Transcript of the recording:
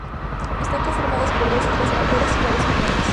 Están conformadas por dos islas mayores y varias menores.